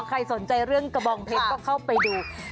ใครสนใจเรื่องกระบองเพชรก็เข้าไปดู